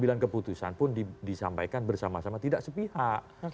pengambilan keputusan pun disampaikan bersama sama tidak sepihak